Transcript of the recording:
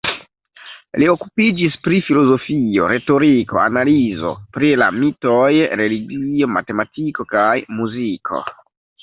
Li okupiĝis pri filozofio, retoriko, analizo pri la mitoj, religio, matematiko kaj muziko.